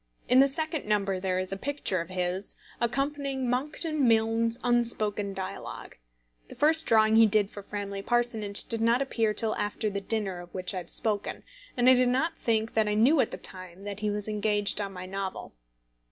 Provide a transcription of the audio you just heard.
In the second number there is a picture of his accompanying Monckton Milne's Unspoken Dialogue. The first drawing he did for Framley Parsonage did not appear till after the dinner of which I have spoken, and I do not think that I knew at the time that he was engaged on my novel.